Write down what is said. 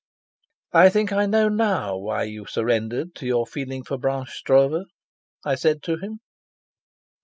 "I think I know now why you surrendered to your feeling for Blanche Stroeve," I said to him.